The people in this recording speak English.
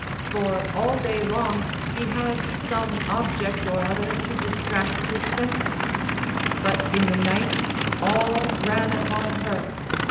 For all day long he had some object or other to distract his senses, but in the night all ran upon her.